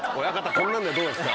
こんなんでどうですか？」